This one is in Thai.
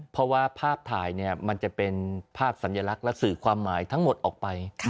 เพราะว่าภาพถ่ายมันจะเป็นภาพสัญลักษณ์และสื่อความหมายทั้งหมดออกไป